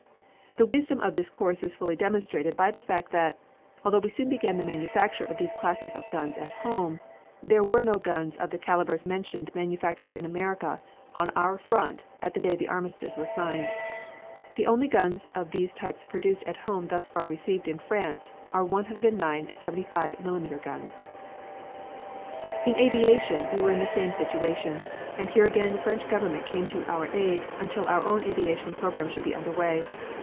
The wisdom of this course is fully demonstrated by the fact that, although we soon began the manufacture of these classes of guns at home, there were no guns of the calibers mentioned manufactured in America on our front at the date the armistice was signed. The only guns of these types produced at home thus far received in France are 109 seventy five millimeter guns. In aviation we were in the same situation, and here again the French Government came to our aid until our own aviation program should be under way.